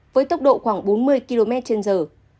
với tốc độ khoảng bốn mươi km trên giờ